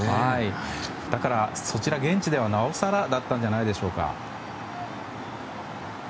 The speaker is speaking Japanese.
だから、そちら現地ではなおさらだったんじゃないでしょうか。